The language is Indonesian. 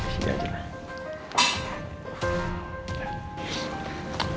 sini aja lah